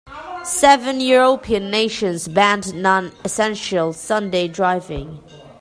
Seven European nations banned non-essential Sunday driving.